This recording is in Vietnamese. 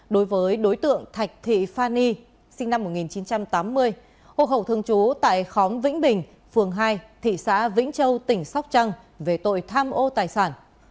đối với đối tượng thạch thị phan y sinh năm một nghìn chín trăm tám mươi hộ khẩu thường trú tại khóm vĩnh bình phường hai thị xã vĩnh châu tỉnh sóc trăng về tội tham ô tài sản